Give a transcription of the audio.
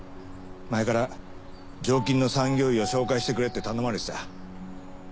前から常勤の産業医を紹介してくれって頼まれてた。